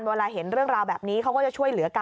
เวลาเห็นเรื่องราวแบบนี้เขาก็จะช่วยเหลือกัน